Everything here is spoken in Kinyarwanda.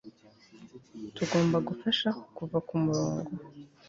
tugomba gufasha kuva mumurongo